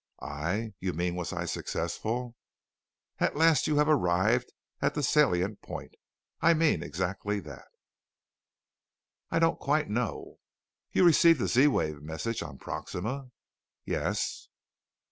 "I You mean, was I successful?" "At last you have arrived at the salient point I mean exactly that." "I don't quite know." "You received a Z wave message on Proxima?" "Yes."